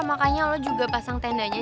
daripada pasang tenda